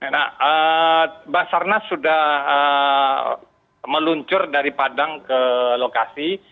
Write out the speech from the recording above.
nah mbak sarnas sudah meluncur dari padang ke lokasi